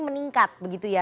meningkat begitu ya